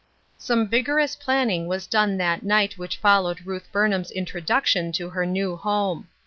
iOME vigorous planning was done that night which followed Ruth Burnham's introduction to her new home.